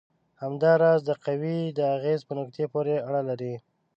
همدا راز د قوې د اغیزې په نقطې پورې اړه لري.